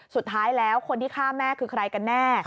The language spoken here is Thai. สุดท้ายแล้วคนที่ฆ่าแม่คือใครกันแน่